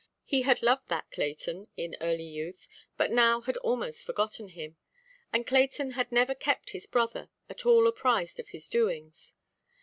He had loved that Clayton in early youth, but now had almost forgotten him; and Clayton had never kept his brother at all apprised of his doings.